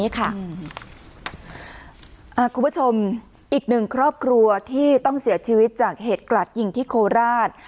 คุณผู้ชมอีกหนึ่งครอบครัวที่ต้องเสียชีวิตจากเหตุกลัดยิงที่โคราช